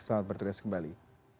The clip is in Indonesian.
selamat bertugas kembali